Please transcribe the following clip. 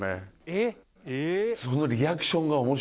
「えっ！」